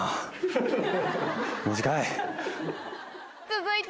短い！